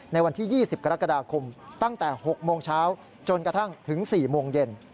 ในวันที่๒๐กรกฎาคมตั้งแต่๖โมงเช้าจนกระทั่งถึง๔โมงเย็น